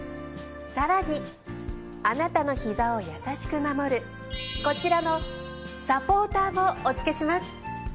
更にあなたのひざを優しく守るこちらのサポーターもお付けします。